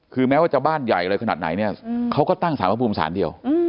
คือแม้ว่าจะบ้านใหญ่อะไรขนาดไหนเนี่ยเขาก็ตั้งสารพระภูมิสารเดียว